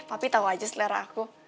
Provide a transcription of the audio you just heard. papi tau aja selera aku